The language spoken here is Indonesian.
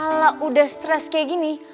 kalau udah stress kayak gini